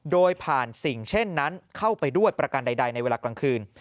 โดยผ่านสิ่งเช่นนั้นเข้าไปด้วยประการใดในเวลากลางคืน